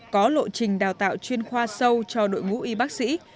có lộ trình đào tạo chuyên khoa sâu cho đội ngũ y bác sĩ